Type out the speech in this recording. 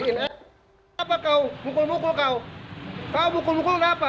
kenapa kau mukul mukul kau kau mukul mukul kenapa